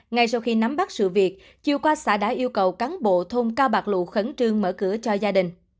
ngay sau khi nắm bắt sự việc chiều qua xã đã yêu cầu cán bộ thôn cao bạc lụ khẩn trương mở cửa cho gia đình